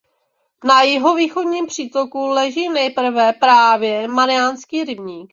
Na jihovýchodním přítoku leží nejprve právě Mariánský rybník.